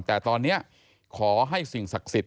แต่ตอนนี้ขอให้สิ่งศักดิ์สิทธิ